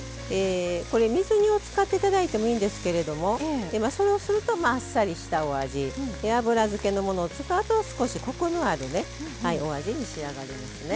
水煮を使っていただいてもいいんですけどそれをすると、あっさりしたお味油漬けしたものを使うと少しコクのあるお味に仕上がりますね。